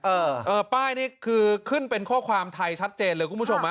เออเออป้ายนี่คือขึ้นเป็นข้อความไทยชัดเจนเลยคุณผู้ชมฮะ